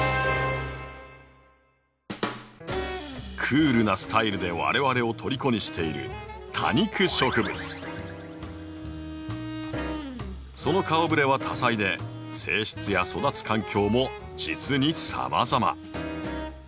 クールなスタイルで我々をとりこにしているその顔ぶれは多彩で性質や育つ環境も実にさまざま。